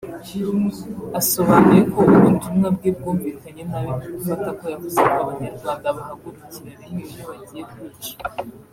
Asobanuye ko ubutumwa bwe bwumvikanye nabi mu gufata ko yavuze ko abanyarwanda bahagurukira rimwe iyo bagiye kwica